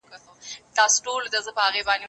زه کولای سم سينه سپين وکړم،